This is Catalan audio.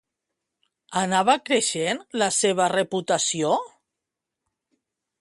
Anava creixent la seva reputació?